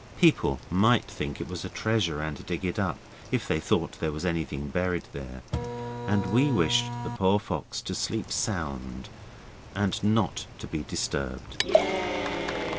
People might think it was a treasure, and dig it up, if they thought there was anything buried there, and we wished the poor fox to sleep sound and not to be disturbed.